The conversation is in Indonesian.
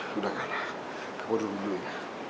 sudah kakak aku dulu dulu ya